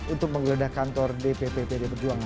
untuk menggeledah kantor dpp pd perjuangan